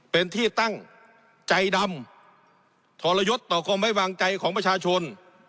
เป็นที่ตั้งใจดำทรยศต่อความไว้วางใจของประชาชน